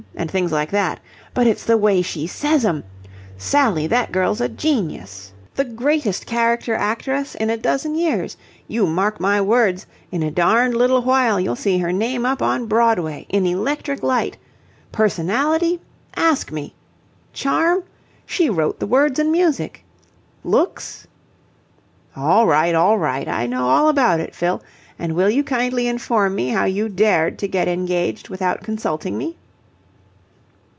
and things like that. But it's the way she says 'em! Sally, that girl's a genius! The greatest character actress in a dozen years! You mark my words, in a darned little while you'll see her name up on Broadway in electric light. Personality? Ask me! Charm? She wrote the words and music! Looks?..." "All right! All right! I know all about it, Fill. And will you kindly inform me how you dared to get engaged without consulting me?"